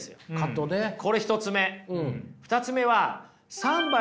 これ１つ目。